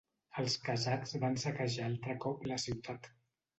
Els kazakhs van saquejar altre cop la ciutat.